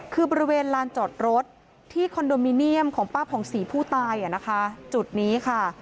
คือบริเวณลานจอดรถที่คอนโดมิเนียมของป้าผ่องศรีผู้ตายจุดนี้ค่ะ